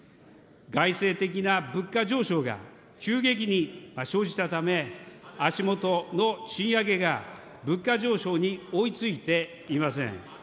外生的な物価上昇が急激に生じたため、足下の賃上げが物価上昇に追いついていません。